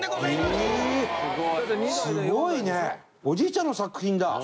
おじいちゃんの作品だ。